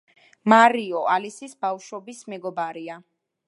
მარიო ალისის ბავშვობის მეგობარია.